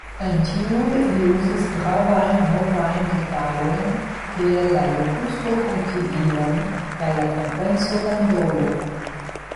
En tiuj li uzis gravajn novajn detalojn kiel la lokusto-haltigilon kaj la kompenso-pendolon.